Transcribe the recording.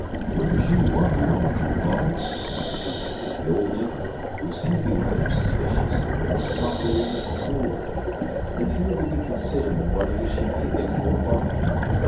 "Whar is you m'anderin' unter, pard?" The old negro, who seemed to be rather suspicious, looked at Uncle Remus coolly, and appeared to be considering whether he should make any reply.